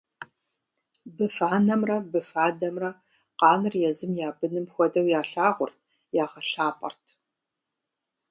Быфанэмрэ быфадэмрэ къаныр езым я быным хуэдэу ялъагъурт, ягъэлъапӏэрт.